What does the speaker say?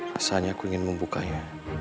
rasanya aku ingin membukanya